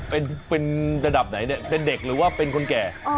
เป็นที่พิสิทธิ์มันจะดับไหนเป็นเด็กหรือว่าเป็นคนแก่